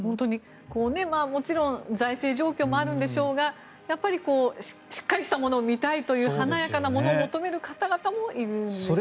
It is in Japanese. もちろん財政状況もあるんでしょうがしっかりしたものを見たいという華やかなものを求める方々もいるんでしょうね。